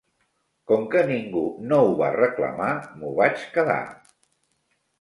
Com que ningú no ho va reclamar, m'ho vaig quedar.